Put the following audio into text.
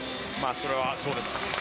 それはそうです。